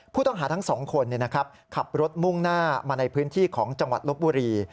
ผู้ต้องหาทั้งสองคนขับรถมุ่งหน้ามาในพื้นที่ของจังหวัดลบบุรี